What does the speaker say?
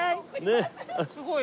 すごい。